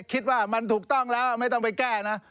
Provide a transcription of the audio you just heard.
คิดว่ามันถูกต้องแล้วไม่ต้องไปแก้นะ